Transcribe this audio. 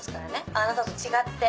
あなたと違って。